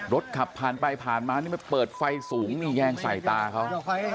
รถขับผ่านไปผ่านมานี่ไม่เปิดไฟสูงนี่แยงใส่ตาเขา